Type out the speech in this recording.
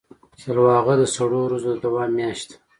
سلواغه د سړو ورځو د دوام میاشت ده.